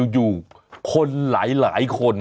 อยู่คนหลายคน